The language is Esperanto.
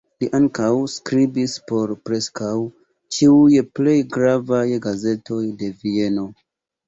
Li ankaŭ skribis por preskaŭ ĉiuj plej gravaj gazetoj de Vieno.